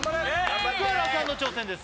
福原さんの挑戦です